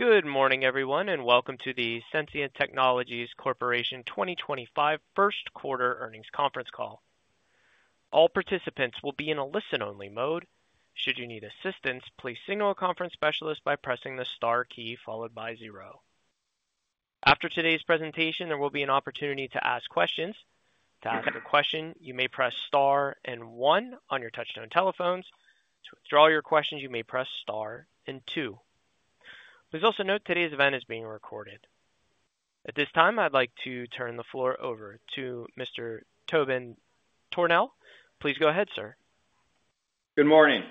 Good morning, everyone, and welcome to the Sensient Technologies Corporation 2025 First Quarter Earnings Conference Call. All participants will be in a listen-only mode. Should you need assistance, please signal a conference specialist by pressing the star key followed by 0. After today's presentation, there will be an opportunity to ask questions. To ask a question, you may press star and 1 on your touch-tone telephones. To withdraw your questions, you may press star and 2. Please also note today's event is being recorded. At this time, I'd like to turn the floor over to Mr. Tobin Tornehl. Please go ahead, sir. Good morning.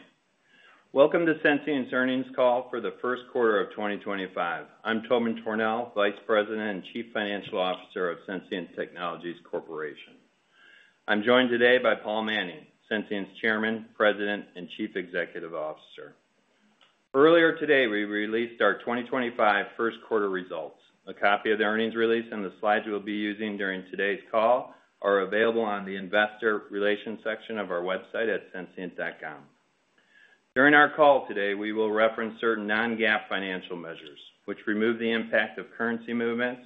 Welcome to Sensient's earnings call for the first quarter of 2025. I'm Tobin Tornehl, Vice President and Chief Financial Officer of Sensient Technologies Corporation. I'm joined today by Paul Manning, Sensient's Chairman, President, and Chief Executive Officer. Earlier today, we released our 2025 first quarter results. A copy of the earnings release and the slides we'll be using during today's call are available on the investor relations section of our website at sensient.com. During our call today, we will reference certain non-GAAP financial measures, which remove the impact of currency movements,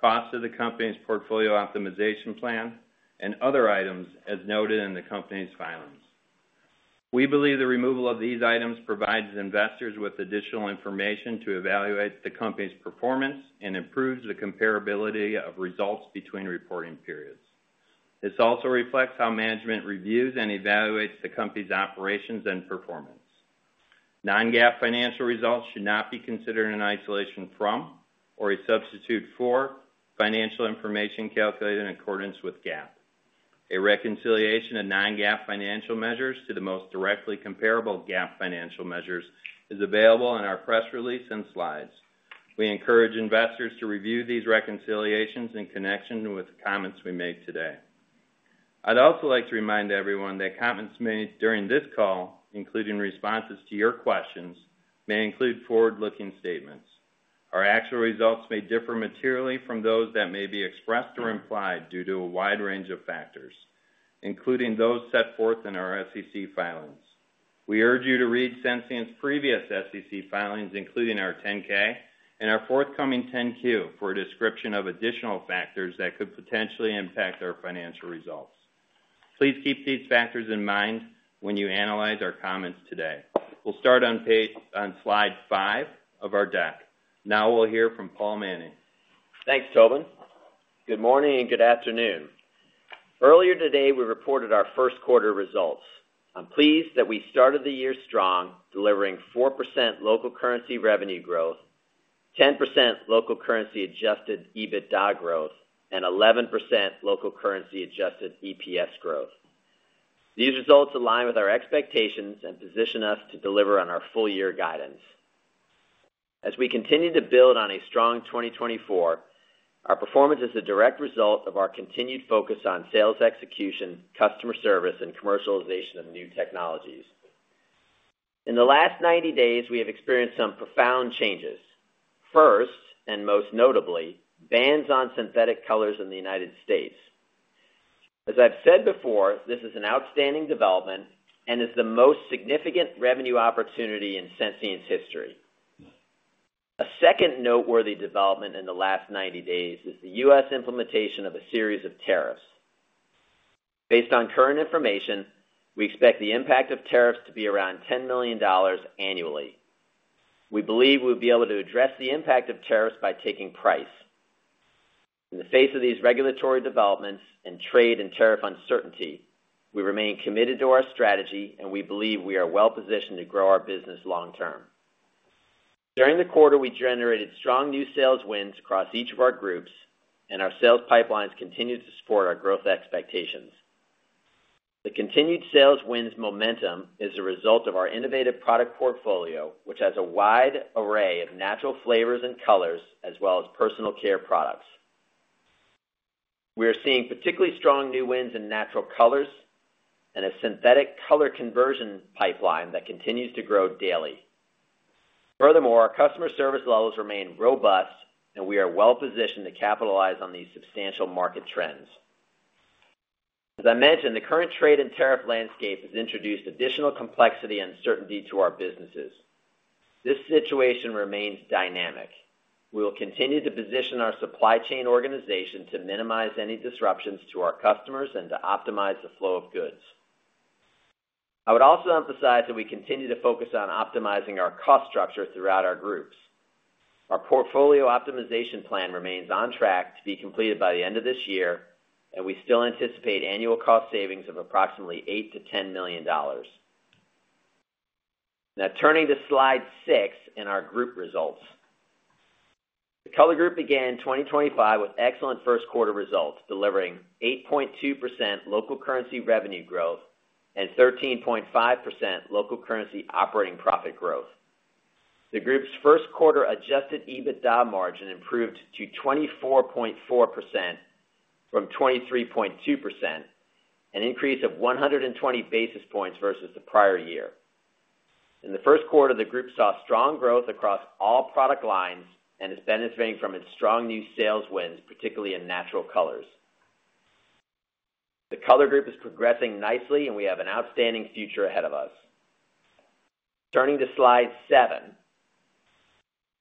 costs of the company's portfolio optimization plan, and other items as noted in the company's filings. We believe the removal of these items provides investors with additional information to evaluate the company's performance and improves the comparability of results between reporting periods. This also reflects how management reviews and evaluates the company's operations and performance. Non-GAAP financial results should not be considered in isolation from or a substitute for financial information calculated in accordance with GAAP. A reconciliation of Non-GAAP financial measures to the most directly comparable GAAP financial measures is available in our press release and slides. We encourage investors to review these reconciliations in connection with comments we made today. I'd also like to remind everyone that comments made during this call, including responses to your questions, may include forward-looking statements. Our actual results may differ materially from those that may be expressed or implied due to a wide range of factors, including those set forth in our SEC filings. We urge you to read Sensient's previous SEC filings, including our 10-K and our forthcoming 10-Q, for a description of additional factors that could potentially impact our financial results. Please keep these factors in mind when you analyze our comments today. We'll start on slide 5 of our deck. Now we'll hear from Paul Manning. Thanks, Tobin. Good morning and good afternoon. Earlier today, we reported our first quarter results. I'm pleased that we started the year strong, delivering 4% local currency revenue growth, 10% local currency-adjusted EBITDA growth, and 11% local currency-adjusted EPS growth. These results align with our expectations and position us to deliver on our full-year guidance. As we continue to build on a strong 2024, our performance is a direct result of our continued focus on sales execution, customer service, and commercialization of new technologies. In the last 90 days, we have experienced some profound changes. First, and most notably, bans on synthetic colors in the United States. As I've said before, this is an outstanding development and is the most significant revenue opportunity in Sensient's history. A second noteworthy development in the last 90 days is the U.S. implementation of a series of tariffs. Based on current information, we expect the impact of tariffs to be around $10 million annually. We believe we'll be able to address the impact of tariffs by taking price. In the face of these regulatory developments and trade and tariff uncertainty, we remain committed to our strategy, and we believe we are well-positioned to grow our business long-term. During the quarter, we generated strong new sales wins across each of our groups, and our sales pipelines continue to support our growth expectations. The continued sales wins momentum is a result of our innovative product portfolio, which has a wide array of natural flavors and colors, as well as personal care products. We are seeing particularly strong new wins in natural colors and a synthetic color conversion pipeline that continues to grow daily. Furthermore, our customer service levels remain robust, and we are well-positioned to capitalize on these substantial market trends. As I mentioned, the current trade and tariff landscape has introduced additional complexity and uncertainty to our businesses. This situation remains dynamic. We will continue to position our supply chain organization to minimize any disruptions to our customers and to optimize the flow of goods. I would also emphasize that we continue to focus on optimizing our cost structure throughout our groups. Our portfolio optimization plan remains on track to be completed by the end of this year, and we still anticipate annual cost savings of approximately $8-$10 million. Now, turning to slide six in our group results. The color group began 2025 with excellent first quarter results, delivering 8.2% local currency revenue growth and 13.5% local currency operating profit growth. The group's first quarter adjusted EBITDA margin improved to 24.4% from 23.2%, an increase of 120 basis points versus the prior year. In the first quarter, the group saw strong growth across all product lines and is benefiting from its strong new sales wins, particularly in natural colors. The color group is progressing nicely, and we have an outstanding future ahead of us. Turning to slide seven,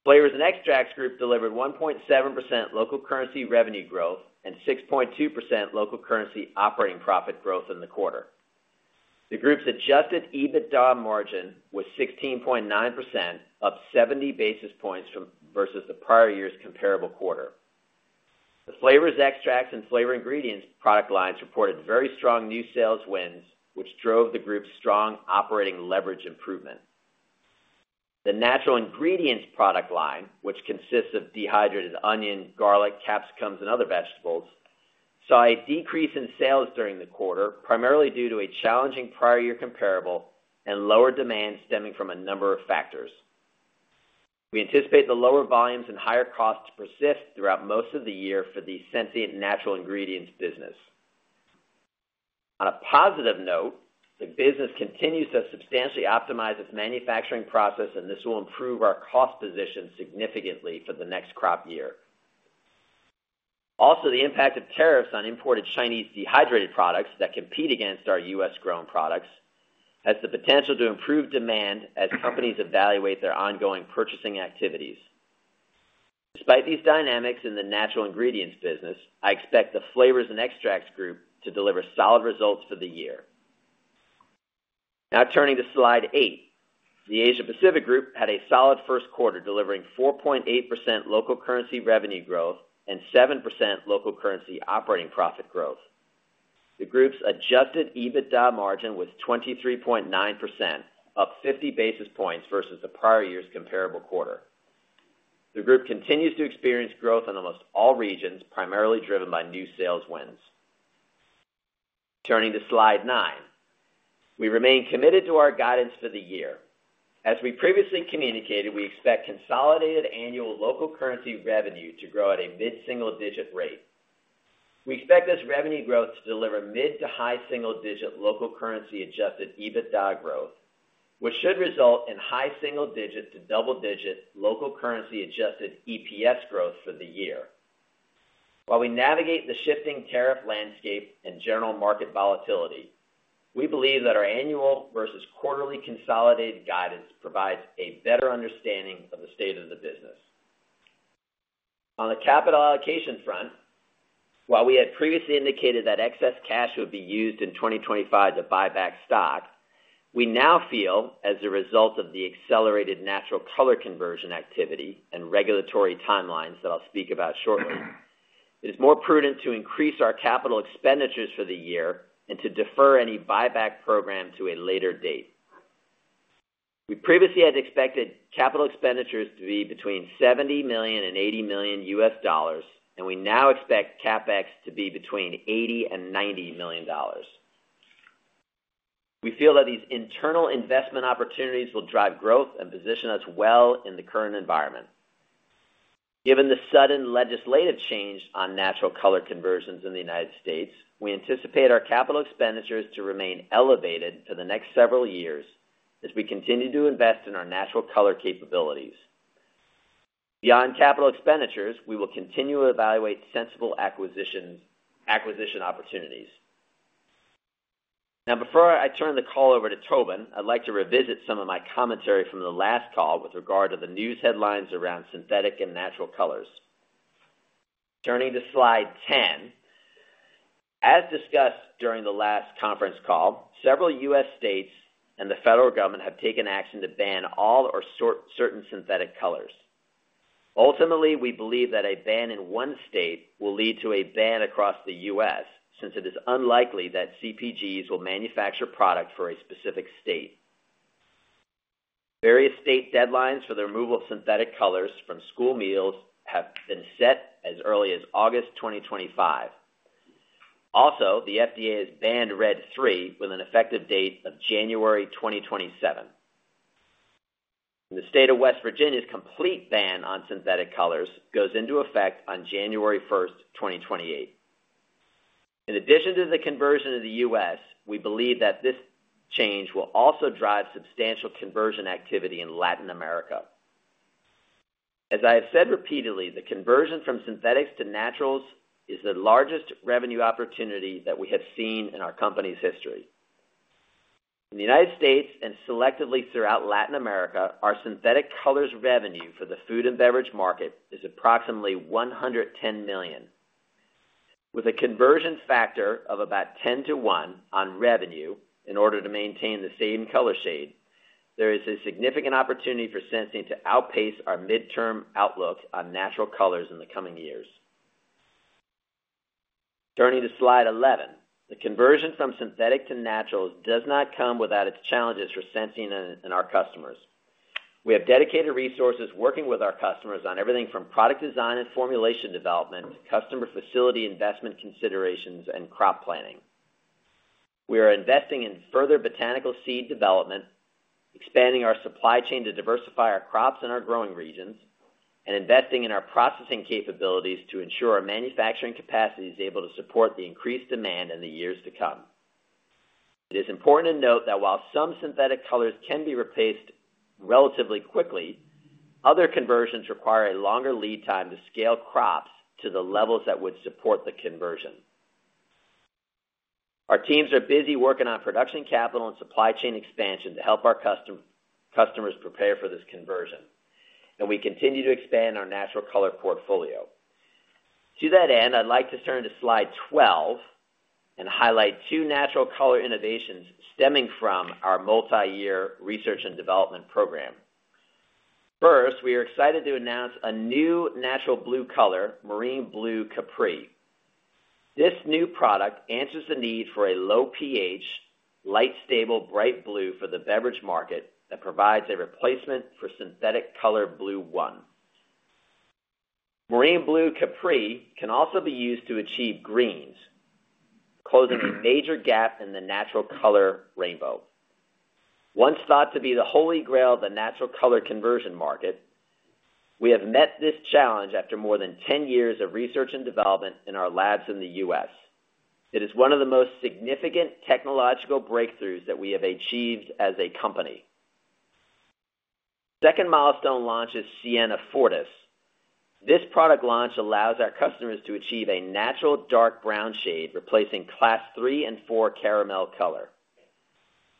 flavors and extracts group delivered 1.7% local currency revenue growth and 6.2% local currency operating profit growth in the quarter. The group's adjusted EBITDA margin was 16.9%, up 70 basis points versus the prior year's comparable quarter. The flavors, extracts, and flavor ingredients product lines reported very strong new sales wins, which drove the group's strong operating leverage improvement. The natural ingredients product line, which consists of dehydrated onion, garlic, capsicum, and other vegetables, saw a decrease in sales during the quarter, primarily due to a challenging prior year comparable and lower demand stemming from a number of factors. We anticipate the lower volumes and higher costs to persist throughout most of the year for the Sensient Natural Ingredients Now, turning to slide 8, the Asia-Pacific group had a solid first quarter, delivering 4.8% local currency revenue growth and 7% local currency operating profit growth. The group's adjusted EBITDA margin was 23.9%, up 50 basis points versus the prior year's comparable quarter. The group continues to experience growth in almost all regions, primarily driven by new sales wins. Turning to slide nine, we remain committed to our guidance for the year. As we previously communicated, we expect consolidated annual local currency revenue to grow at a mid-single digit rate. We expect this revenue growth to deliver mid to high single digit local currency adjusted EBITDA growth, which should result in high single digit to double digit local currency adjusted EPS growth for the year. While we navigate the shifting tariff landscape and general market volatility, we believe that our annual versus quarterly consolidated guidance provides a better understanding of the state of the business. On the capital allocation front, while we had previously indicated that excess cash would be used in 2025 to buy back stock, we now feel, as a result of the accelerated natural color conversion activity and regulatory timelines that I'll speak about shortly, it is more prudent to increase our capital expenditures for the year and to defer any buyback program to a later date. We previously had expected capital expenditures to be between $70 million and $80 million, and we now expect CapEx to be between $80 million and $90 million. We feel that these internal investment opportunities will drive growth and position us well in the current environment. Given the sudden legislative change on natural color conversions in the United States, we anticipate our capital expenditures to remain elevated for the next several years as we continue to invest in our natural color capabilities. Beyond capital expenditures, we will continue to evaluate sensible acquisition opportunities. Now, before I turn the call over to Tobin, I'd like to revisit some of my commentary from the last call with regard to the news headlines around synthetic and natural colors. Turning to slide ten, as discussed during the last conference call, several U.S. states and the federal government have taken action to ban all or certain synthetic colors. Ultimately, we believe that a ban in one state will lead to a ban across the U.S. since it is unlikely that CPGs will manufacture product for a specific state. Various state deadlines for the removal of synthetic colors from school meals have been set as early as August 2025. Also, the FDA has banned Red 3 with an effective date of January 2027. In the state of West Virginia, a complete ban on synthetic colors goes into effect on January 1, 2028. In addition to the conversion in the U.S., we believe that this change will also drive substantial conversion activity in Latin America. As I have said repeatedly, the conversion from synthetics to naturals is the largest revenue opportunity that we have seen in our company's history. In the United States and selectively throughout Latin America, our synthetic colors revenue for the food and beverage market is approximately $110 million. With a conversion factor of about 10 to 1 on revenue in order to maintain the same color shade, there is a significant opportunity for Sensient to outpace our midterm outlook on natural colors in the coming years. Turning to slide 11, the conversion from synthetic to naturals does not come without its challenges for Sensient and our customers. We have dedicated resources working with our customers on everything from product design and formulation development to customer facility investment considerations and crop planning. We are investing in further botanical seed development, expanding our supply chain to diversify our crops in our growing regions, and investing in our processing capabilities to ensure our manufacturing capacity is able to support the increased demand in the years to come. It is important to note that while some synthetic colors can be replaced relatively quickly, other conversions require a longer lead time to scale crops to the levels that would support the conversion. Our teams are busy working on production capital and supply chain expansion to help our customers prepare for this conversion, and we continue to expand our natural color portfolio. To that end, I'd like to turn to slide 12 and highlight two natural color innovations stemming from our multi-year research and development program. First, we are excited to announce a new natural blue color, Marine Blue Capri. This new product answers the need for a low pH, light stable, bright blue for the beverage market that provides a replacement for synthetic color Blue 1. Marine Blue Capri can also be used to achieve greens, closing a major gap in the natural color rainbow. Once thought to be the holy grail of the natural color conversion market, we have met this challenge after more than 10 years of research and development in our labs in the U.S. It is one of the most significant technological breakthroughs that we have achieved as a company. Second milestone launch is Sienna Fortis. This product launch allows our customers to achieve a natural dark brown shade, replacing class three and four caramel color.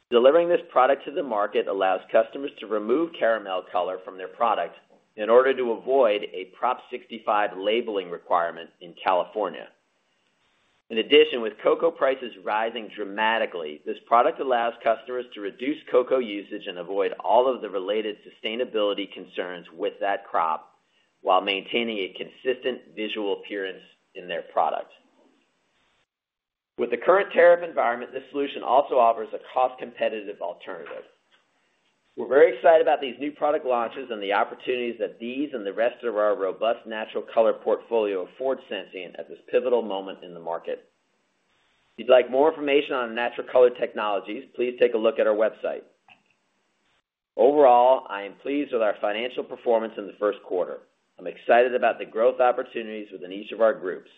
Delivering this product to the market allows customers to remove caramel color from their product in order to avoid a Prop 65 labeling requirement in California. In addition, with cocoa prices rising dramatically, this product allows customers to reduce cocoa usage and avoid all of the related sustainability concerns with that crop while maintaining a consistent visual appearance in their product. With the current tariff environment, this solution also offers a cost-competitive alternative. We're very excited about these new product launches and the opportunities that these and the rest of our robust natural color portfolio afford Sensient at this pivotal moment in the market. If you'd like more information on natural color technologies, please take a look at our website. Overall, I am pleased with our financial performance in the first quarter. I'm excited about the growth opportunities within each of our groups.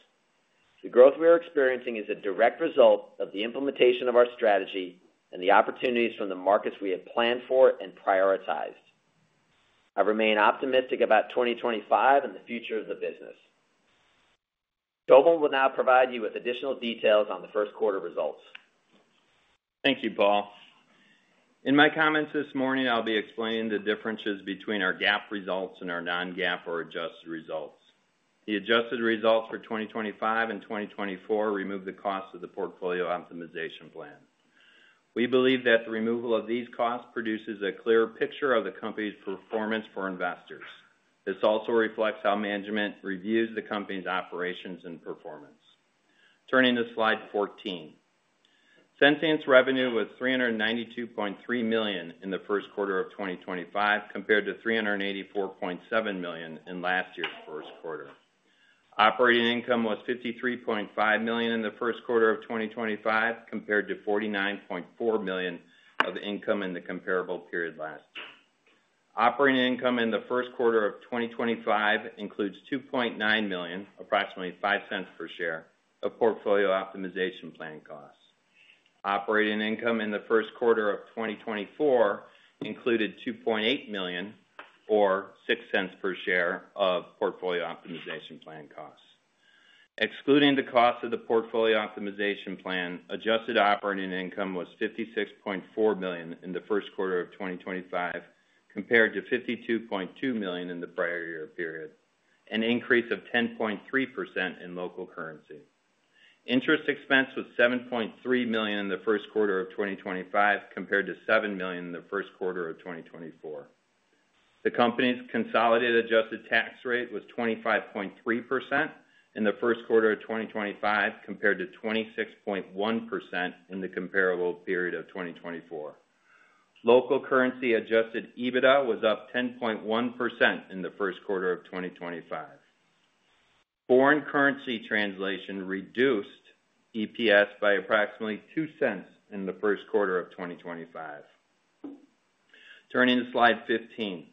The growth we are experiencing is a direct result of the implementation of our strategy and the opportunities from the markets we have planned for and prioritized. I remain optimistic about 2025 and the future of the business. Tobin will now provide you with additional details on the first quarter results. Thank you, Paul. In my comments this morning, I'll be explaining the differences between our GAAP results and our non-GAAP or adjusted results. The adjusted results for 2025 and 2024 remove the cost of the portfolio optimization plan. We believe that the removal of these costs produces a clearer picture of the company's performance for investors. This also reflects how management reviews the company's operations and performance. Turning to slide 14, Sensient's revenue was $392.3 million in the first quarter of 2025 compared to $384.7 million in last year's first quarter. Operating income was $53.5 million in the first quarter of 2025 compared to $49.4 million of income in the comparable period last year. Operating income in the first quarter of 2025 includes $2.9 million, approximately $0.05 per share, of portfolio optimization plan costs. Operating income in the first quarter of 2024 included $2.8 million, or $0.06 per share, of portfolio optimization plan costs. Excluding the cost of the portfolio optimization plan, adjusted operating income was $56.4 million in the first quarter of 2025 compared to $52.2 million in the prior year period, an increase of 10.3% in local currency. Interest expense was $7.3 million in the first quarter of 2025 compared to $7 million in the first quarter of 2024. The company's consolidated adjusted tax rate was 25.3% in the first quarter of 2025 compared to 26.1% in the comparable period of 2024. Local currency adjusted EBITDA was up 10.1% in the first quarter of 2025. Foreign currency translation reduced EPS by approximately $0.02 in the first quarter of 2025. Turning to slide 15,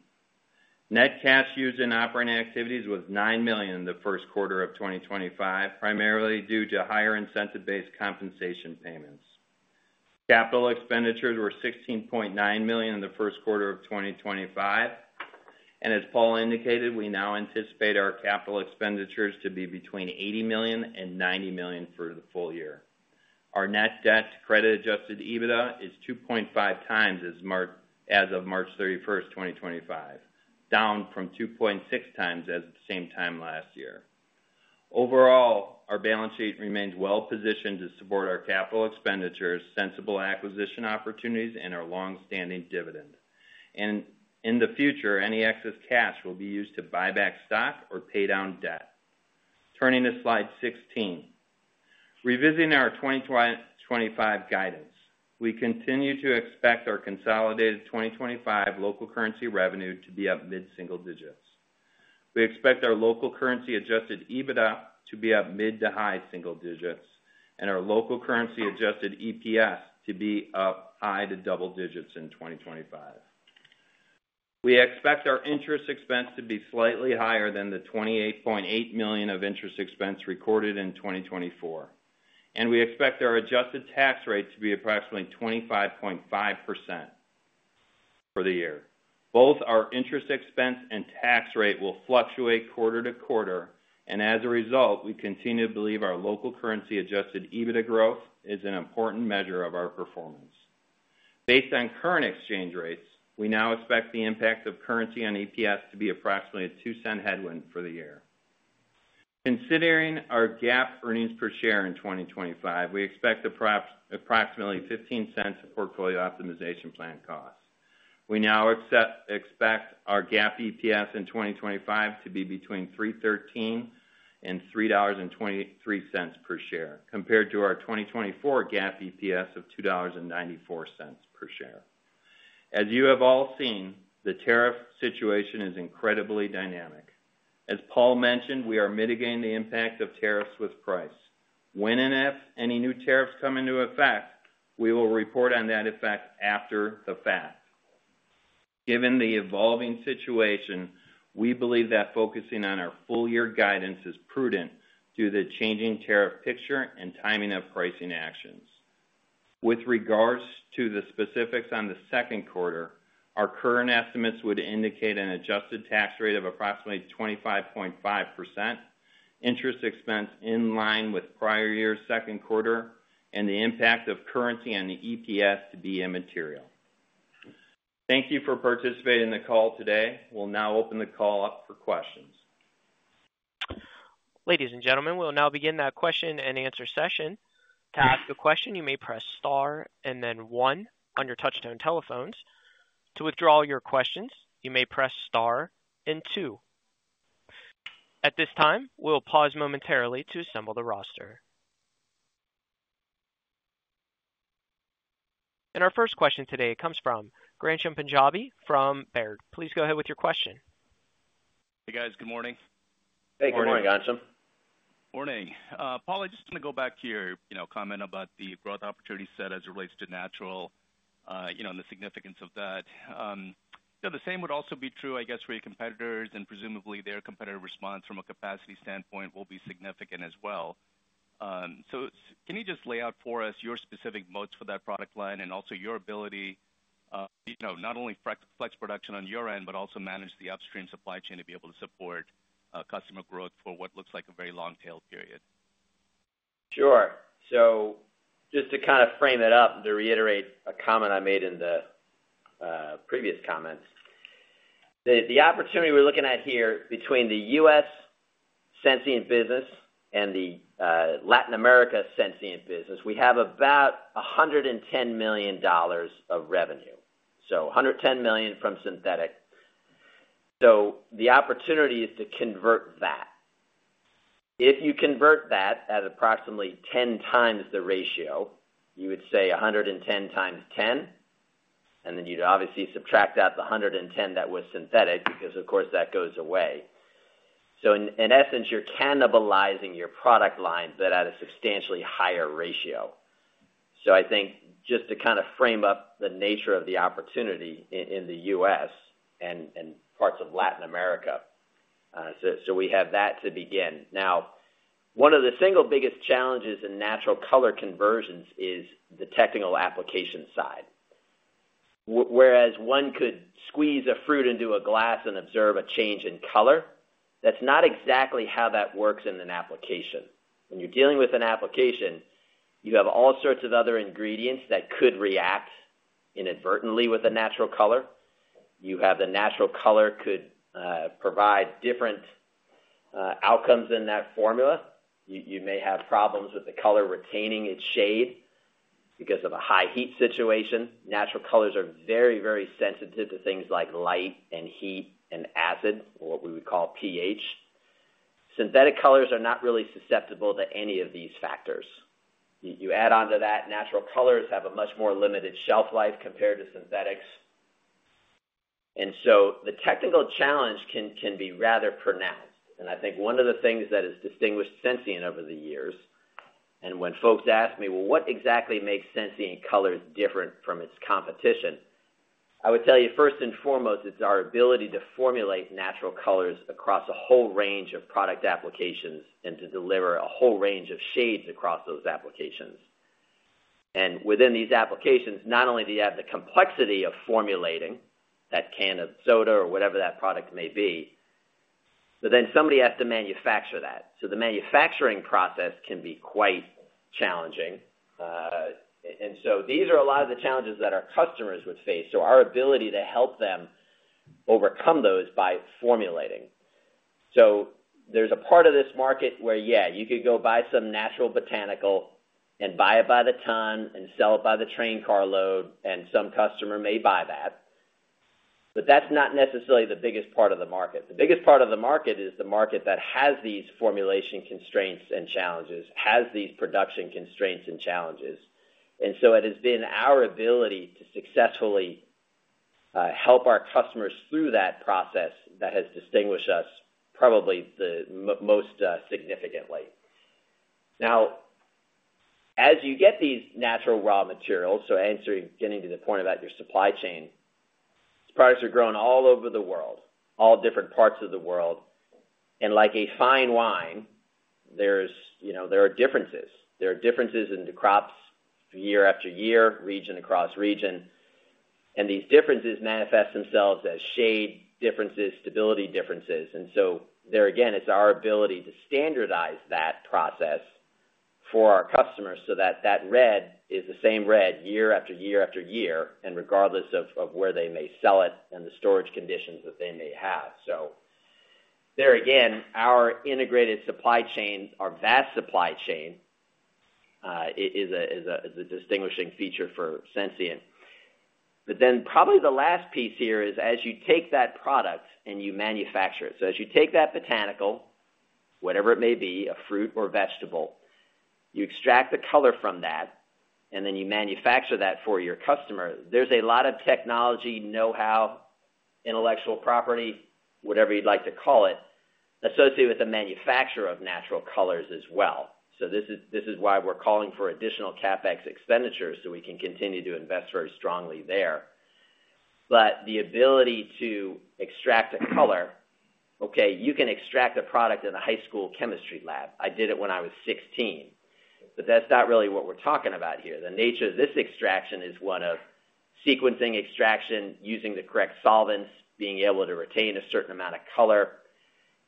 net cash used in operating activities was $9 million in the first quarter of 2025, primarily due to higher incentive-based compensation payments. Capital expenditures were $16.9 million in the first quarter of 2025. As Paul indicated, we now anticipate our capital expenditures to be between $80 million and $90 million for the full year. Our net debt to credit adjusted EBITDA is 2.5 times as of March 31, 2025, down from 2.6 times at the same time last year. Overall, our balance sheet remains well positioned to support our capital expenditures, sensible acquisition opportunities, and our long-standing dividend. In the future, any excess cash will be used to buy back stock or pay down debt. Turning to slide 16, revisiting our 2025 guidance, we continue to expect our consolidated 2025 local currency revenue to be up mid-single digits. We expect our local currency adjusted EBITDA to be up mid to high single digits and our local currency adjusted EPS to be up high to double digits in 2025. We expect our interest expense to be slightly higher than the $28.8 million of interest expense recorded in 2024. We expect our adjusted tax rate to be approximately 25.5% for the year. Both our interest expense and tax rate will fluctuate quarter to quarter. As a result, we continue to believe our local currency adjusted EBITDA growth is an important measure of our performance. Based on current exchange rates, we now expect the impact of currency on EPS to be approximately a $0.02 headwind for the year. Considering our GAAP earnings per share in 2025, we expect approximately $0.15 of portfolio optimization plan costs. We now expect our GAAP EPS in 2025 to be between $3.13-$3.23 per share compared to our 2024 GAAP EPS of $2.94 per share. As you have all seen, the tariff situation is incredibly dynamic. As Paul mentioned, we are mitigating the impact of tariffs with price. When and if any new tariffs come into effect, we will report on that effect after the fact. Given the evolving situation, we believe that focusing on our full-year guidance is prudent due to the changing tariff picture and timing of pricing actions. With regards to the specifics on the second quarter, our current estimates would indicate an adjusted tax rate of approximately 25.5%, interest expense in line with prior year's second quarter, and the impact of currency on the EPS to be immaterial. Thank you for participating in the call today. We'll now open the call up for questions. Ladies and gentlemen, we'll now begin that question and answer session. To ask a question, you may press star and then 1 on your touch-tone telephones. To withdraw your questions, you may press star and 2. At this time, we'll pause momentarily to assemble the roster. Our first question today comes from Ghansham Panjabi from Baird. Please go ahead with your question. Hey, guys. Good morning. Hey. Good morning, Ghansham Panjabi. Morning. Paul, I just want to go back to your comment about the growth opportunity set as it relates to natural and the significance of that. The same would also be true, I guess, for your competitors. Presumably, their competitive response from a capacity standpoint will be significant as well. Can you just lay out for us your specific moats for that product line and also your ability not only to flex production on your end, but also manage the upstream supply chain to be able to support customer growth for what looks like a very long tail period? Sure. Just to kind of frame it up, to reiterate a comment I made in the previous comments, the opportunity we're looking at here between the U.S. Sensient business and the Latin America Sensient business, we have about $110 million of revenue. $110 million from synthetic. The opportunity is to convert that. If you convert that at approximately 10 times the ratio, you would say 110 times 10. Then you'd obviously subtract out the 110 that was synthetic because, of course, that goes away. In essence, you're cannibalizing your product line, but at a substantially higher ratio. I think just to kind of frame up the nature of the opportunity in the U.S. and parts of Latin America. We have that to begin. Now, one of the single biggest challenges in natural color conversions is the technical application side. Whereas one could squeeze a fruit into a glass and observe a change in color, that's not exactly how that works in an application. When you're dealing with an application, you have all sorts of other ingredients that could react inadvertently with a natural color. You have the natural color could provide different outcomes in that formula. You may have problems with the color retaining its shade because of a high heat situation. Natural colors are very, very sensitive to things like light and heat and acid, what we would call pH. Synthetic colors are not really susceptible to any of these factors. You add on to that, natural colors have a much more limited shelf life compared to synthetics. The technical challenge can be rather pronounced. I think one of the things that has distinguished Sensient over the years, and when folks ask me, "Well, what exactly makes Sensient colors different from its competition?" I would tell you, first and foremost, it's our ability to formulate natural colors across a whole range of product applications and to deliver a whole range of shades across those applications. Within these applications, not only do you have the complexity of formulating that can of soda or whatever that product may be, but then somebody has to manufacture that. The manufacturing process can be quite challenging. These are a lot of the challenges that our customers would face. Our ability to help them overcome those by formulating. There is a part of this market where, yeah, you could go buy some natural botanical and buy it by the ton and sell it by the train carload, and some customer may buy that. That is not necessarily the biggest part of the market. The biggest part of the market is the market that has these formulation constraints and challenges, has these production constraints and challenges. It has been our ability to successfully help our customers through that process that has distinguished us probably the most significantly. Now, as you get these natural raw materials, getting to the point about your supply chain, these products are grown all over the world, all different parts of the world. Like a fine wine, there are differences. There are differences in the crops year after year, region across region. These differences manifest themselves as shade differences, stability differences. There, again, it is our ability to standardize that process for our customers so that that red is the same red year after year after year, regardless of where they may sell it and the storage conditions that they may have. There, again, our integrated supply chain, our vast supply chain, is a distinguishing feature for Sensient. Probably the last piece here is, as you take that product and you manufacture it. As you take that botanical, whatever it may be, a fruit or vegetable, you extract the color from that, and then you manufacture that for your customer. There is a lot of technology, know-how, intellectual property, whatever you would like to call it, associated with the manufacture of natural colors as well. This is why we're calling for additional CapEx expenditures so we can continue to invest very strongly there. The ability to extract a color, okay, you can extract a product in a high school chemistry lab. I did it when I was 16. That's not really what we're talking about here. The nature of this extraction is one of sequencing extraction, using the correct solvents, being able to retain a certain amount of color.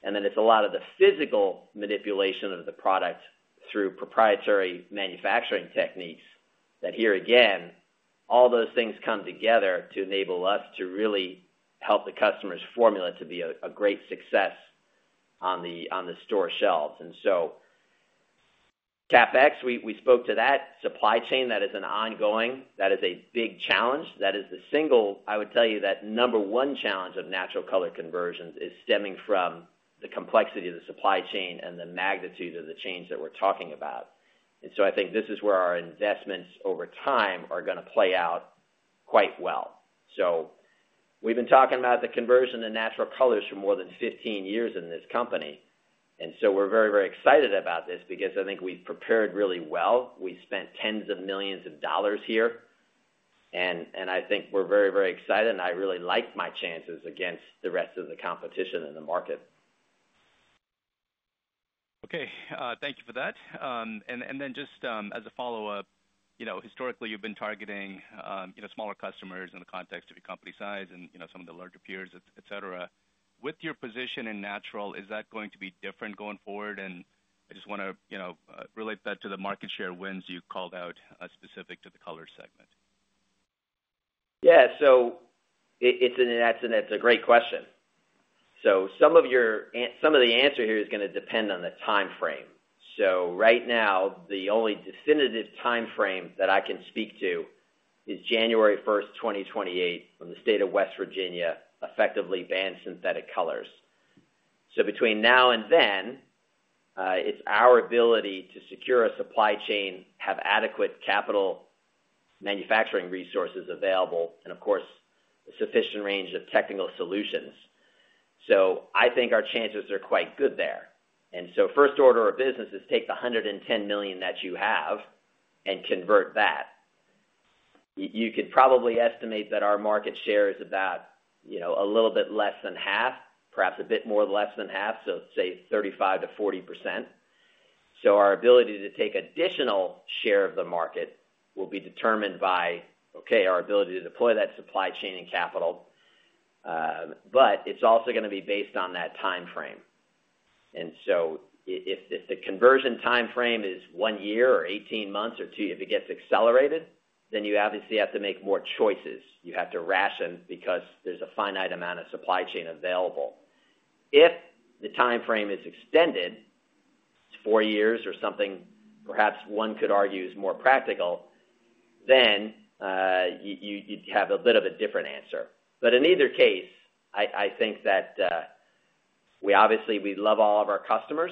Then it's a lot of the physical manipulation of the product through proprietary manufacturing techniques that, here again, all those things come together to enable us to really help the customer's formula to be a great success on the store shelves. CapEx, we spoke to that. Supply chain, that is an ongoing, that is a big challenge. That is the single, I would tell you, that number one challenge of natural color conversions is stemming from the complexity of the supply chain and the magnitude of the change that we're talking about. I think this is where our investments over time are going to play out quite well. We've been talking about the conversion of natural colors for more than 15 years in this company. We're very, very excited about this because I think we've prepared really well. We spent tens of millions of dollars here. I think we're very, very excited. I really like my chances against the rest of the competition in the market. Okay. Thank you for that. Just as a follow-up, historically, you've been targeting smaller customers in the context of your company size and some of the larger peers, etc. With your position in natural, is that going to be different going forward? I just want to relate that to the market share wins you called out specific to the color segment. Yeah. It's a great question. Some of the answer here is going to depend on the time frame. Right now, the only definitive time frame that I can speak to is January 1, 2028, when the state of West Virginia effectively banned synthetic colors. Between now and then, it's our ability to secure a supply chain, have adequate capital manufacturing resources available, and of course, a sufficient range of technical solutions. I think our chances are quite good there. First order of business is take the $110 million that you have and convert that. You could probably estimate that our market share is about a little bit less than half, perhaps a bit more less than half, so say 35-40%. Our ability to take additional share of the market will be determined by, okay, our ability to deploy that supply chain and capital. It is also going to be based on that time frame. If the conversion time frame is one year or 18 months or 2, if it gets accelerated, then you obviously have to make more choices. You have to ration because there is a finite amount of supply chain available. If the time frame is extended, four years or something, perhaps one could argue is more practical, you would have a bit of a different answer. In either case, I think that we obviously love all of our customers.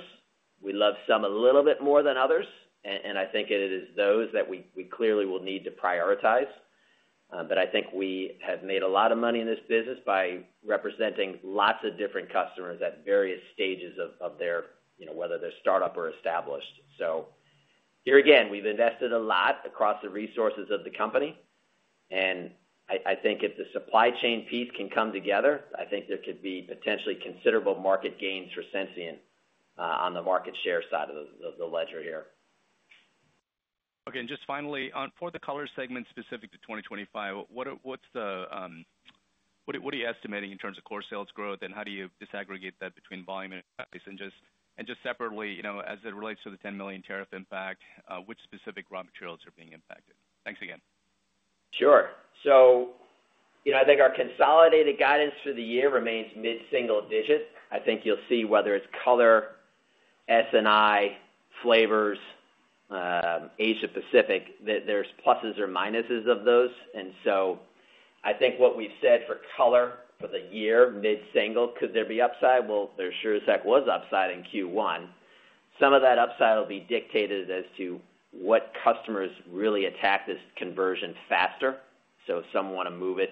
We love some a little bit more than others. I think it is those that we clearly will need to prioritize. I think we have made a lot of money in this business by representing lots of different customers at various stages of their, whether they're startup or established. Here, again, we've invested a lot across the resources of the company. I think if the supply chain piece can come together, I think there could be potentially considerable market gains for Sensient on the market share side of the ledger here. Okay. Just finally, for the color segment specific to 2025, what are you estimating in terms of core sales growth, and how do you disaggregate that between volume and price? Just separately, as it relates to the $10 million tariff impact, which specific raw materials are being impacted? Thanks again. Sure. I think our consolidated guidance for the year remains mid-single digit. I think you'll see whether it's color, S&I, flavors, Asia-Pacific, that there's pluses or minuses of those. I think what we've said for color for the year, mid-single, could there be upside? There sure as heck was upside in Q1. Some of that upside will be dictated as to what customers really attack this conversion faster. If some want to move it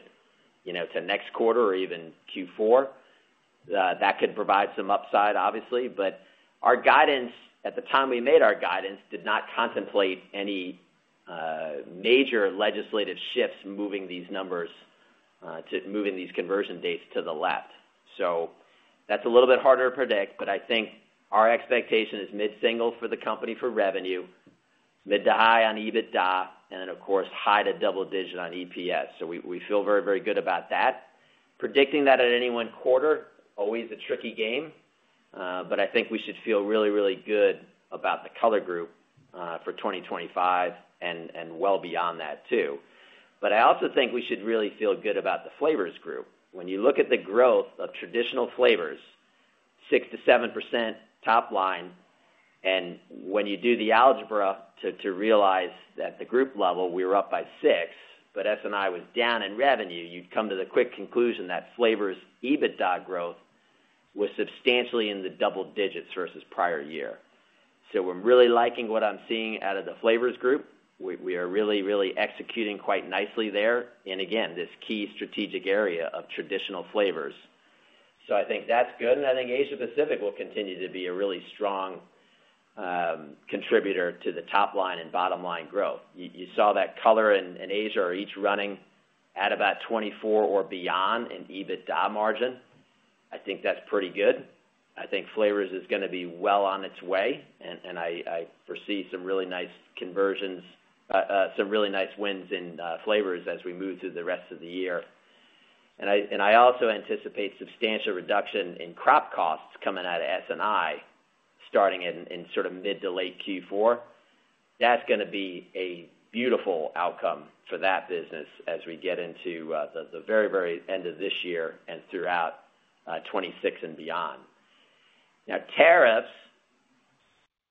to next quarter or even Q4, that could provide some upside, obviously. Our guidance, at the time we made our guidance, did not contemplate any major legislative shifts moving these numbers, moving these conversion dates to the left. That's a little bit harder to predict. I think our expectation is mid-single for the company for revenue, mid to high on EBITDA, and then, of course, high to double digit on EPS. We feel very, very good about that. Predicting that at any one quarter is always a tricky game. I think we should feel really, really good about the color group for 2025 and well beyond that too. I also think we should really feel good about the flavors group. When you look at the growth of traditional flavors, 6-7% top line. When you do the algebra to realize that at the group level, we were up by 6, but S&I was down in revenue, you would come to the quick conclusion that flavors' EBITDA growth was substantially in the double digits versus prior year. We are really liking what I am seeing out of the flavors group. We are really, really executing quite nicely there. Again, this key strategic area of traditional flavors. I think that's good. I think Asia-Pacific will continue to be a really strong contributor to the top line and bottom line growth. You saw that color and Asia are each running at about 24 or beyond in EBITDA margin. I think that's pretty good. I think flavors is going to be well on its way. I foresee some really nice conversions, some really nice wins in flavors as we move through the rest of the year. I also anticipate substantial reduction in crop costs coming out of S&I starting in sort of mid to late Q4. That's going to be a beautiful outcome for that business as we get into the very, very end of this year and throughout 2026 and beyond. Now, tariffs,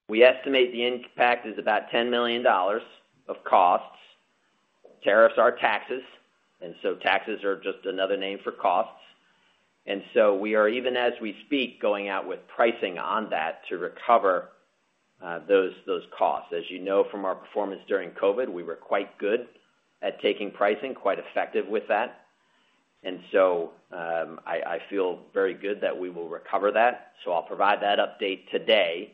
we estimate the impact is about $10 million of costs. Tariffs are taxes. Taxes are just another name for costs. We are, even as we speak, going out with pricing on that to recover those costs. As you know from our performance during COVID, we were quite good at taking pricing, quite effective with that. I feel very good that we will recover that. I will provide that update today.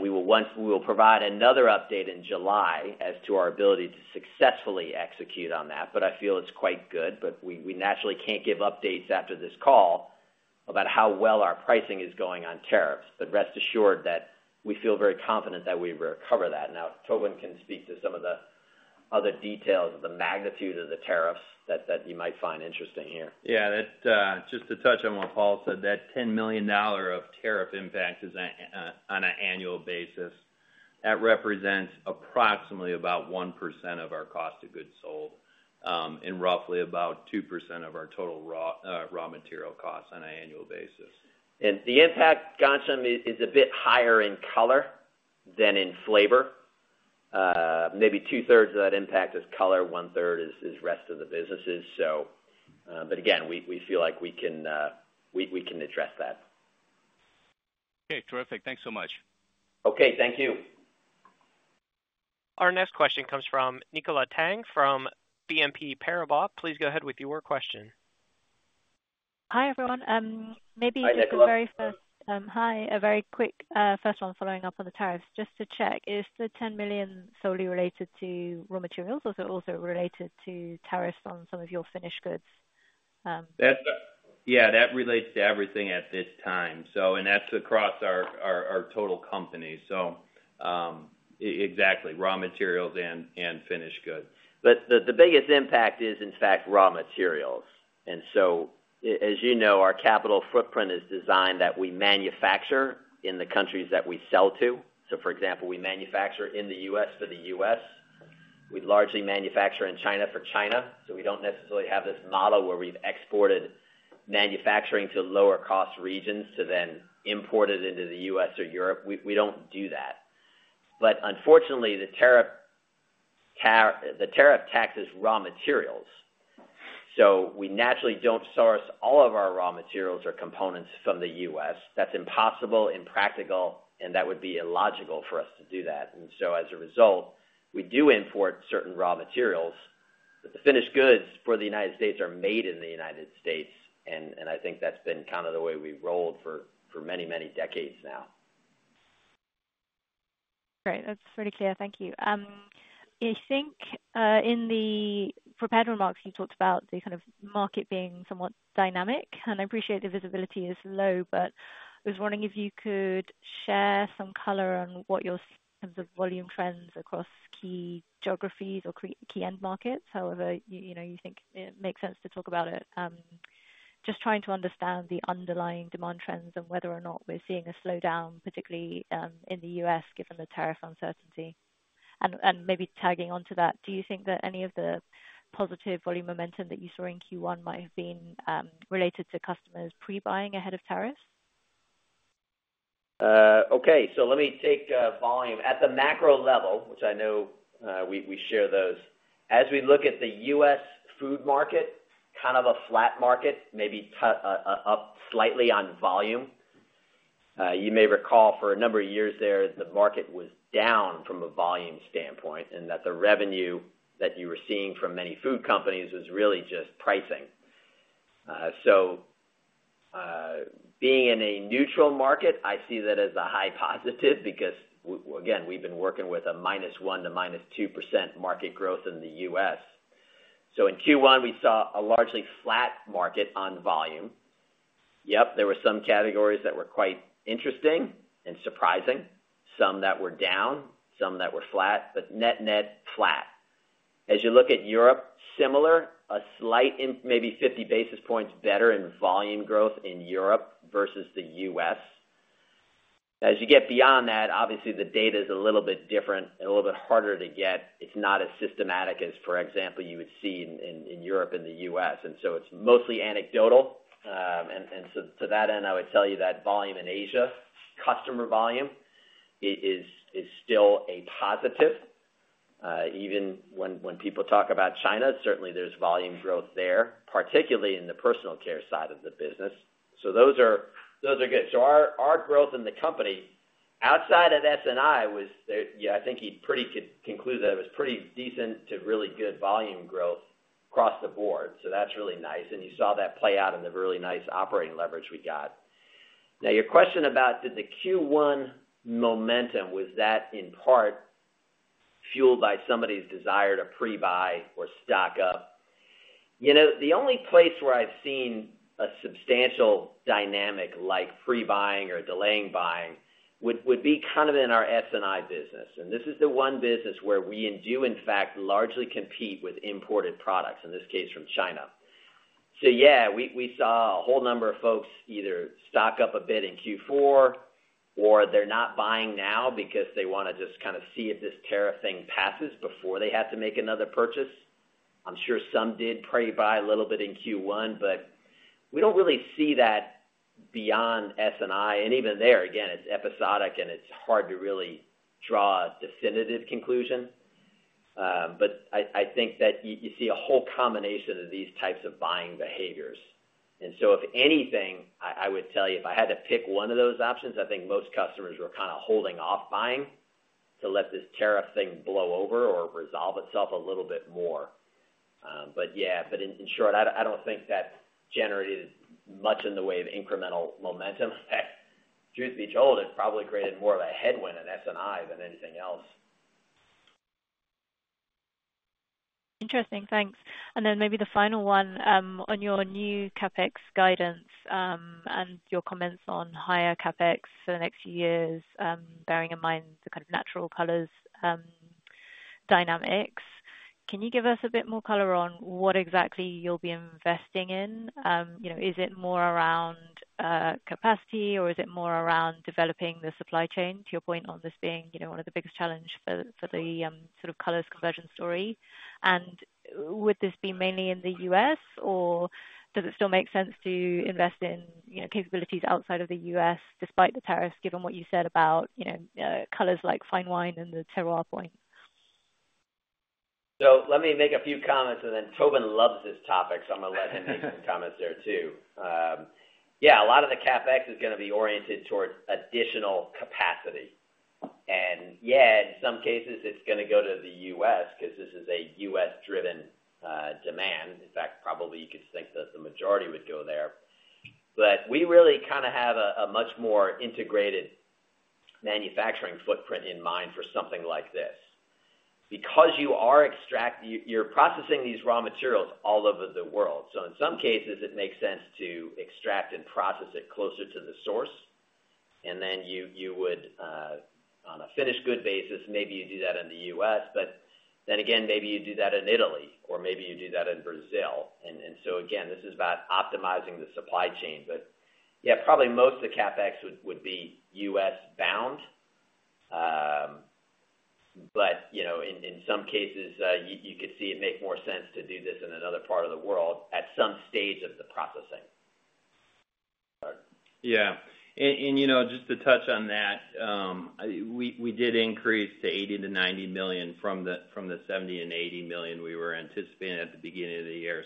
We will provide another update in July as to our ability to successfully execute on that. I feel it is quite good. We naturally cannot give updates after this call about how well our pricing is going on tariffs. Rest assured that we feel very confident that we will recover that. Now, Tobin can speak to some of the other details of the magnitude of the tariffs that you might find interesting here. Yeah. Just to touch on what Paul said, that $10 million of tariff impact on an annual basis, that represents approximately about 1% of our cost of goods sold and roughly about 2% of our total raw material costs on an annual basis. The impact, Ghansham, is a bit higher in color than in flavor. Maybe 2/3 of that impact is color, 1/3 is rest of the businesses. Again, we feel like we can address that. Okay. Terrific. Thanks so much. Okay. Thank you. Our next question comes from Nicola Tang from BMO Capital Markets. Please go ahead with your question. Hi everyone. Maybe you can very first. Hi. A very quick first one following up on the tariffs. Just to check, is the $10 million solely related to raw materials or is it also related to tariffs on some of your finished goods? Yeah. That relates to everything at this time. That is across our total company. Exactly, raw materials and finished goods. The biggest impact is, in fact, raw materials. As you know, our capital footprint is designed that we manufacture in the countries that we sell to. For example, we manufacture in the U.S. for the U.S. We largely manufacture in China for China. We do not necessarily have this model where we have exported manufacturing to lower-cost regions to then import it into the U.S. or Europe. We do not do that. Unfortunately, the tariff taxes raw materials. We naturally do not source all of our raw materials or components from the U.S. That's impossible, impractical, and that would be illogical for us to do that. As a result, we do import certain raw materials. The finished goods for the United States are made in the United States. I think that's been kind of the way we rolled for many, many decades now. Right. That's pretty clear. Thank you. I think in the prepared remarks, you talked about the kind of market being somewhat dynamic. I appreciate the visibility is low, but I was wondering if you could share some color on what your, in terms of volume trends across key geographies or key end markets, however you think it makes sense to talk about it. Just trying to understand the underlying demand trends and whether or not we're seeing a slowdown, particularly in the U.S., given the tariff uncertainty. Maybe tagging onto that, do you think that any of the positive volume momentum that you saw in Q1 might have been related to customers pre-buying ahead of tariffs? Okay. Let me take volume. At the macro level, which I know we share those, as we look at the U.S. food market, kind of a flat market, maybe up slightly on volume. You may recall for a number of years there, the market was down from a volume standpoint and that the revenue that you were seeing from many food companies was really just pricing. Being in a neutral market, I see that as a high positive because, again, we've been working with a minus 1% to minus 2% market growth in the U.S. In Q1, we saw a largely flat market on volume. Yep. There were some categories that were quite interesting and surprising, some that were down, some that were flat, but net-net flat. As you look at Europe, similar, a slight, maybe 50 basis points better in volume growth in Europe versus the U.S. As you get beyond that, obviously, the data is a little bit different and a little bit harder to get. It's not as systematic as, for example, you would see in Europe and the U.S. It's mostly anecdotal. To that end, I would tell you that volume in Asia, customer volume, is still a positive. Even when people talk about China, certainly there's volume growth there, particularly in the personal care side of the business. Those are good. Our growth in the company outside of S&I was, I think you'd pretty much conclude that it was pretty decent to really good volume growth across the board. That's really nice. You saw that play out in the really nice operating leverage we got. Now, your question about did the Q1 momentum, was that in part fueled by somebody's desire to pre-buy or stock up? The only place where I've seen a substantial dynamic like pre-buying or delaying buying would be kind of in our S&I business. This is the one business where we do, in fact, largely compete with imported products, in this case from China. Yeah, we saw a whole number of folks either stock up a bit in Q4 or they're not buying now because they want to just kind of see if this tariff thing passes before they have to make another purchase. I'm sure some did pre-buy a little bit in Q1, but we don't really see that beyond S&I. Even there, again, it's episodic and it's hard to really draw a definitive conclusion. I think that you see a whole combination of these types of buying behaviors. If anything, I would tell you if I had to pick one of those options, I think most customers were kind of holding off buying to let this tariff thing blow over or resolve itself a little bit more. In short, I don't think that generated much in the way of incremental momentum. Truth be told, it probably created more of a headwind in S&I than anything else. Interesting. Thanks. Maybe the final one on your new CapEx guidance and your comments on higher CapEx for the next few years, bearing in mind the kind of natural colors dynamics. Can you give us a bit more color on what exactly you'll be investing in? Is it more around capacity or is it more around developing the supply chain, to your point on this being one of the biggest challenges for the sort of colors conversion story? Would this be mainly in the U.S., or does it still make sense to invest in capabilities outside of the U.S. despite the tariffs, given what you said about colors like fine wine and the terroir point? Let me make a few comments, and then Tobin loves this topic, so I'm going to let him make some comments there too. Yeah. A lot of the CapEx is going to be oriented towards additional capacity. And yeah, in some cases, it's going to go to the U.S. because this is a U.S.-driven demand. In fact, probably you could think that the majority would go there. We really kind of have a much more integrated manufacturing footprint in mind for something like this. Because you are extracting, you're processing these raw materials all over the world. In some cases, it makes sense to extract and process it closer to the source. You would, on a finished good basis, maybe do that in the U.S., but then again, maybe you do that in Italy or maybe you do that in Brazil. This is about optimizing the supply chain. Yeah, probably most of the CapEx would be U.S.-bound. In some cases, you could see it make more sense to do this in another part of the world at some stage of the processing. Yeah. Just to touch on that, we did increase to $80-90 million from the $70-80 million we were anticipating at the beginning of the year.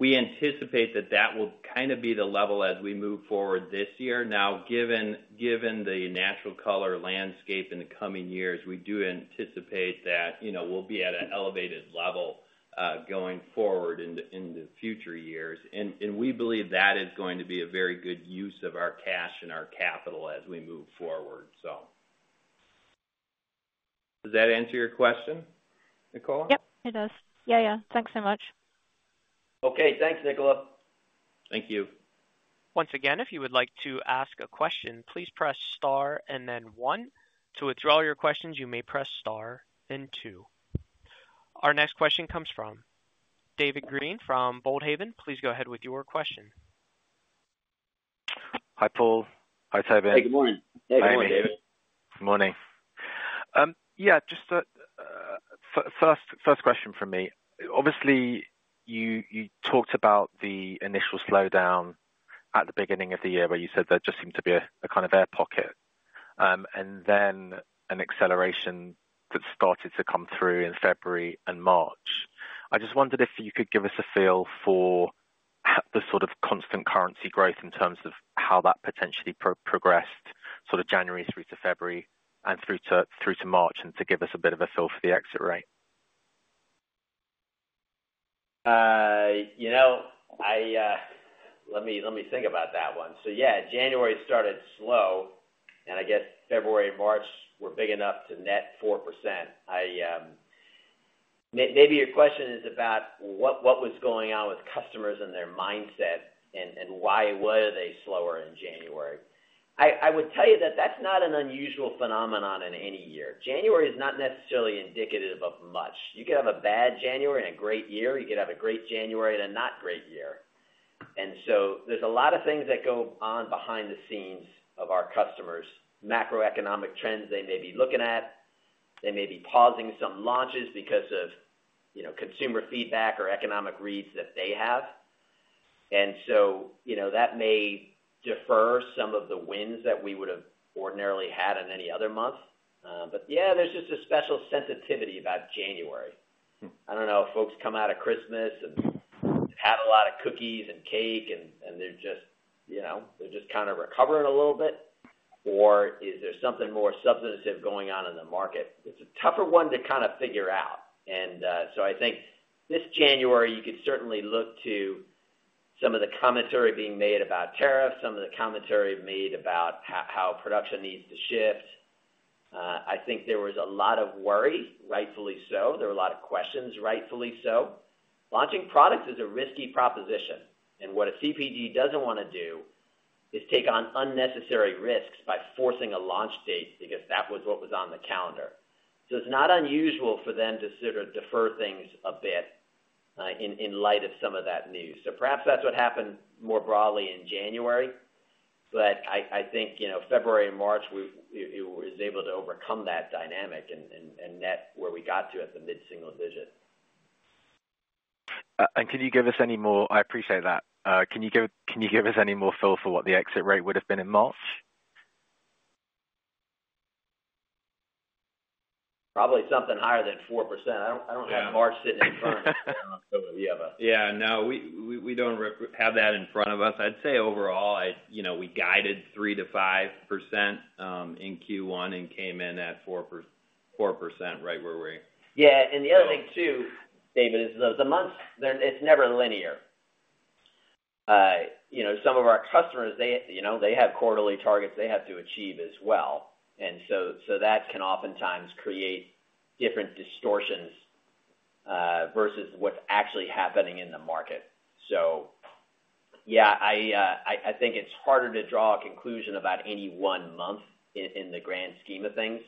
We anticipate that that will kind of be the level as we move forward this year. Now, given the natural color landscape in the coming years, we do anticipate that we will be at an elevated level going forward in the future years. We believe that is going to be a very good use of our cash and our capital as we move forward. Does that answer your question, Nicola? Yep. It does. Yeah. Yeah. Thanks so much. Okay. Thanks, Nicola. Thank you. Once again, if you would like to ask a question, please press Star and then 1. To withdraw your questions, you may press Star and 2. Our next question comes from David Green from Baird. Please go ahead with your question. Hi, Paul. Hi, Tobin. Hey. Good morning. Hey. Good morning, David. Good morning. Yeah. Just first question from me. Obviously, you talked about the initial slowdown at the beginning of the year where you said there just seemed to be a kind of air pocket and then an acceleration that started to come through in February and March. I just wondered if you could give us a feel for the sort of constant currency growth in terms of how that potentially progressed sort of January through to February and through to March and to give us a bit of a feel for the exit rate? let me tell that one as going on with customers and their mindset and why were they slower in January. I would tell you that that's not an unusual phenomenon in any year. January is not necessarily indicative of much. You could have a bad January and a great year. You could have a great January and a not great year. There are a lot of things that go on behind the scenes with our customers, macroeconomic trends they may be looking at. They may be pausing some launches because of consumer feedback or economic reads that they have. That may defer some of the wins that we would have ordinarily had in any other month. There is just a special sensitivity about January. I do not know if folks come out of Christmas and have a lot of cookies and cake and they are just kind of recovering a little bit, or if there is something more substantive going on in the market. It is a tougher one to figure out. I think this January, you could certainly look to some of the commentary being made about tariffs, some of the commentary made about how production needs to shift. I think there was a lot of worry, rightfully so. There were a lot of questions, rightfully so. Launching products is a risky proposition. What a CPG does not want to do is take on unnecessary risks by forcing a launch date because that was what was on the calendar. It is not unusual for them to sort of defer things a bit in light of some of that news. Perhaps that is what happened more broadly in January. I think February and March, it was able to overcome that dynamic and net where we got to at the mid-single digit. Can you give us any more? I appreciate that. Can you give us any more feel for what the exit rate would have been in March? Probably something higher than 4%. I do not have March sitting in front of me. Yeah. No. We don't have that in front of us. I'd say overall, we guided 3-5% in Q1 and came in at 4% right where we are. Yeah. The other thing too, David, is the months, it's never linear. Some of our customers, they have quarterly targets they have to achieve as well. That can oftentimes create different distortions versus what's actually happening in the market. Yeah, I think it's harder to draw a conclusion about any one month in the grand scheme of things.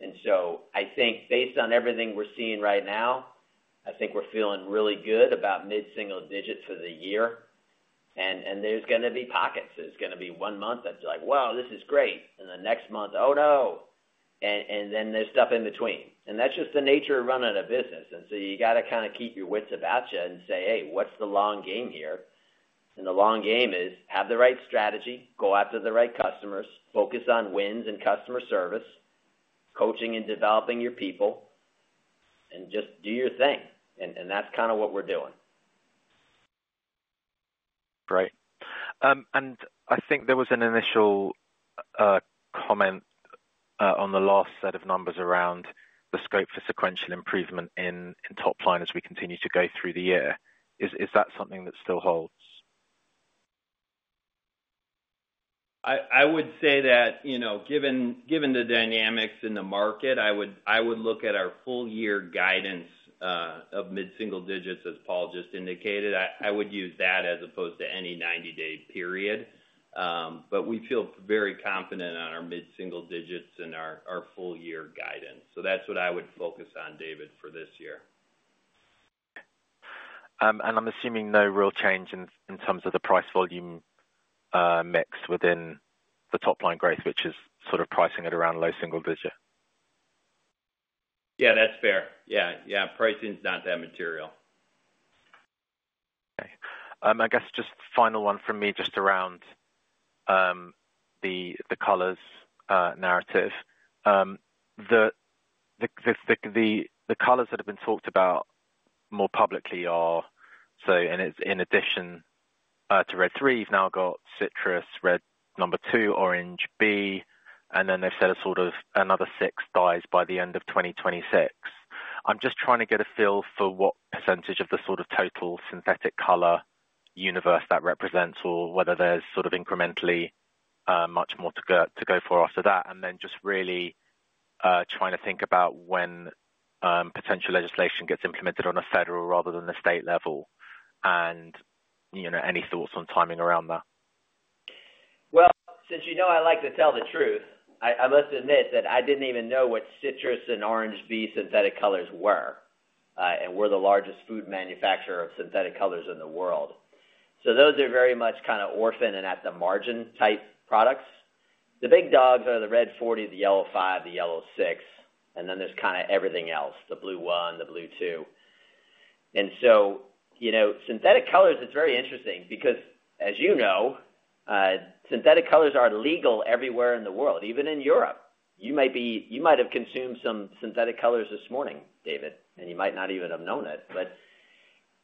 I think based on everything we're seeing right now, I think we're feeling really good about mid-single digits for the year. There's going to be pockets. There's going to be one month that's like, "Whoa, this is great." The next month, "Oh, no." Then there's stuff in between. That is just the nature of running a business. You have to kind of keep your wits about you and say, "Hey, what is the long game here?" The long game is have the right strategy, go after the right customers, focus on wins and customer service, coaching and developing your people, and just do your thing. That is kind of what we are doing. Great. I think there was an initial comment on the last set of numbers around the scope for sequential improvement in top line as we continue to go through the year. Is that something that still holds? I would say that given the dynamics in the market, I would look at our full-year guidance of mid-single digits, as Paul just indicated. I would use that as opposed to any 90-day period. We feel very confident on our mid-single digits and our full-year guidance. That is what I would focus on, David, for this year. I am assuming no real change in terms of the price-volume mix within the top line growth, which is sort of pricing at around low single digit. Yeah. That is fair. Yeah. Yeah. Pricing is not that material. Okay. I guess just final one from me just around the colors narrative. The colors that have been talked about more publicly are, in addition to Red 3, you have now got Citrus Red number 2, Orange B, and then they have said a sort of another six dyes by the end of 2026. I am just trying to get a feel for what percentage of the sort of total synthetic color universe that represents or whether there is sort of incrementally much more to go for after that. Just really trying to think about when potential legislation gets implemented on a federal rather than a state level and any thoughts on timing around that. Since you know I like to tell the truth, I must admit that I didn't even know what Citrus and Orange B synthetic colors were and we're the largest food manufacturer of synthetic colors in the world. Those are very much kind of orphan and at the margin type products. The big dogs are the Red 40, the Yellow 5, the Yellow 6, and then there's kind of everything else, the Blue 1, the Blue 2. Synthetic colors, it's very interesting because, as you know, synthetic colors are legal everywhere in the world, even in Europe. You might have consumed some synthetic colors this morning, David, and you might not even have known it.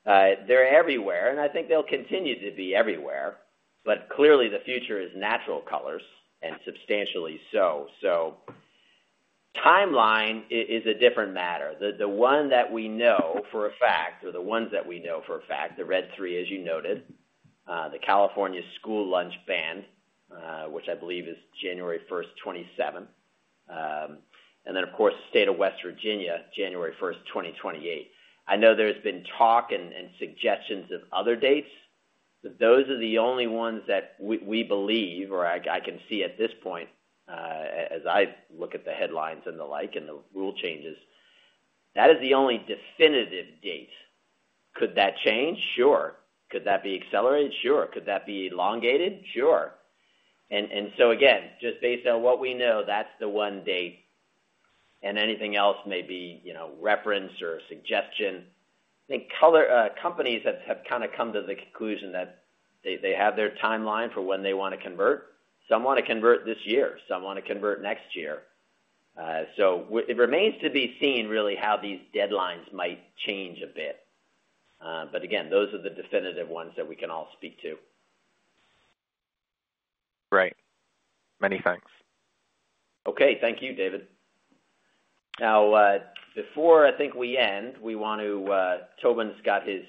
They're everywhere, and I think they'll continue to be everywhere. Clearly, the future is natural colors and substantially so. Timeline is a different matter. The one that we know for a fact, or the ones that we know for a fact, the Red 3, as you noted, the California School Lunch Ban, which I believe is January 1, 2027. Of course, the state of West Virginia, January 1, 2028. I know there's been talk and suggestions of other dates. Those are the only ones that we believe, or I can see at this point, as I look at the headlines and the like and the rule changes, that is the only definitive date. Could that change? Sure. Could that be accelerated? Sure. Could that be elongated? Sure. Again, just based on what we know, that's the one date. Anything else may be reference or suggestion. I think companies have kind of come to the conclusion that they have their timeline for when they want to convert. Some want to convert this year. Some want to convert next year. It remains to be seen, really, how these deadlines might change a bit. Again, those are the definitive ones that we can all speak to. Great. Many thanks. Okay. Thank you, David. Now, before I think we end, Tobin's got his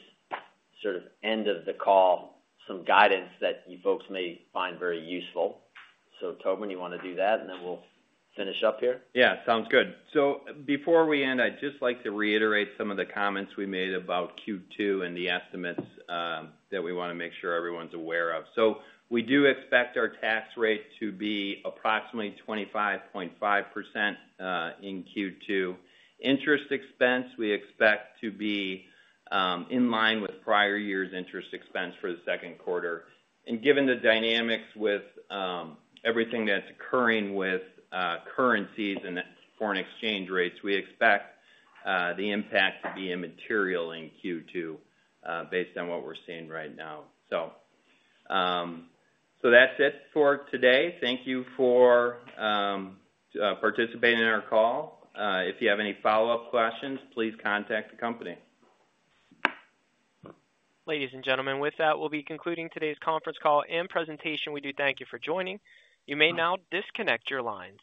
sort of end of the call, some guidance that you folks may find very useful. Tobin, you want to do that, and then we'll finish up here? Yeah. Sounds good. Before we end, I'd just like to reiterate some of the comments we made about Q2 and the estimates that we want to make sure everyone's aware of. We do expect our tax rate to be approximately 25.5% in Q2. Interest expense, we expect to be in line with prior year's interest expense for the second quarter. Given the dynamics with everything that's occurring with currencies and foreign exchange rates, we expect the impact to be immaterial in Q2 based on what we're seeing right now. That's it for today. Thank you for participating in our call. If you have any follow-up questions, please contact the company. Ladies and gentlemen, with that, we'll be concluding today's conference call and presentation. We do thank you for joining. You may now disconnect your lines.